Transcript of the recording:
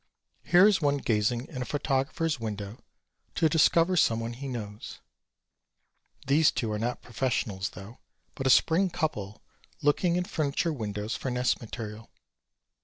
Here is one gazing in a photographer's window to discover someone he knows. These two are not professionals though but a spring couple looking in furniture windows for nest material.